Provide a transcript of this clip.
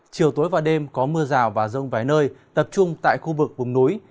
chiều tối và đêm có mưa rào và rông vài nơi tập trung tại khu vực vùng núi